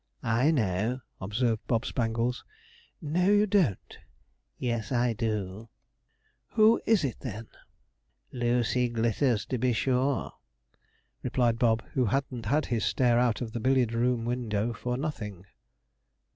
'I know,' observed Bob Spangles. 'No, you don't.' 'Yes, I do.' 'Who is it, then?' demanded her ladyship. 'Lucy Glitters, to be sure,' replied Bob, who hadn't had his stare out of the billiard room window for nothing.